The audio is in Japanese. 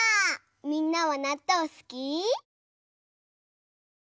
みんなはなっとうすき？